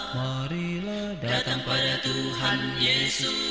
marilah datang pada tuhan yesus